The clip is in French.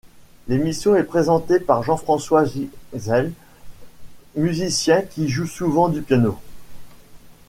L'émission est présentée par Jean-François Zygel, musicien qui joue souvent du piano.